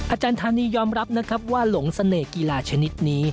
อาจารย์ธานียอมรับนะครับว่าหลงเสน่ห์กีฬาชนิดนี้